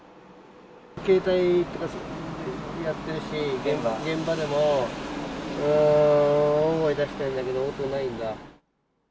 携帯やってるし、現場でも大声出したんだけど応答ないんだ。